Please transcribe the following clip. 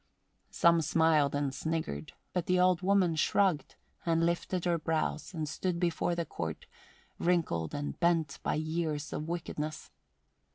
Some smiled and sniggered; but the old woman shrugged, and lifted her brows, and stood before the Court, wrinkled and bent by years of wickedness.